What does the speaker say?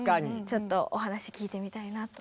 ちょっとお話聞いてみたいなと。